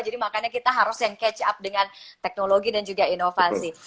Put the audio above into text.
jadi makanya kita harus yang catch up dengan teknologi dan juga inovasi